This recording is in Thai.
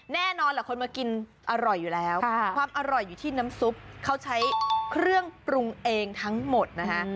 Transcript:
แน่นอนล่ะคนมากินอร่อยอยู่แล้วความอร่อยอยู่ที่น้ำซุปเขาใช้เครื่องปรุงเองทั้งหมดนะฮะ